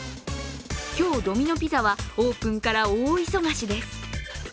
今日、ドミノ・ピザはオープンから大忙しです。